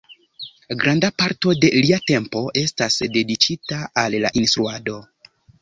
Granda parto de lia tempo estas dediĉita al la instruado.